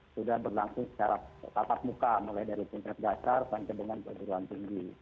sudah berlangsung secara tatap muka mulai dari tingkat dasar sampai dengan perguruan tinggi